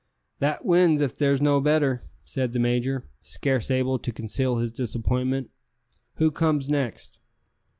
"That wins if there's no better," said the major, scarce able to conceal his disappointment. "Who comes next?"